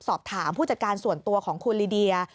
สอบถามผู้จัดการส่วนตัวของคุณลีเดีย